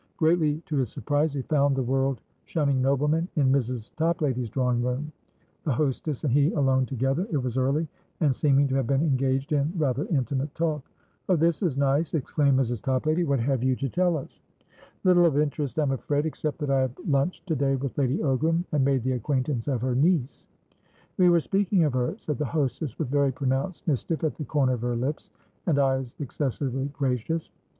Greatly to his surprise, he found the world shunning nobleman in Mrs. Toplady's drawing room; the hostess and he alone togetherit was earlyand seeming to have been engaged in rather intimate talk. "Oh, this is nice!" exclaimed Mrs. Toplady. "What have you to tell us?" "Little of interest, I'm afraidexcept that I have lunched to day with Lady Ogram and made the acquaintance of her niece." "We were speaking of her," said the hostess, with very pronounced mischief at the corner of her lips, and eyes excessively gracious.